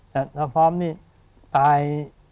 แต่ตรับพร้อมนี่ตาย